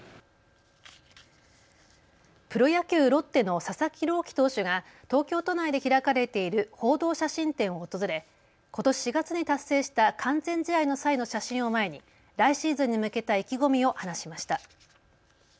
プロ野球ロッテの佐々木朗希投手が東京都内で開かれている報道写真展を訪れことし４月に達成した完全試合の際の写真を前に来シーズンに向けた意気込みを話しました。